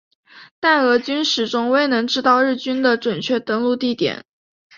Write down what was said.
但俄军始终未能知道日军的准确登陆地点。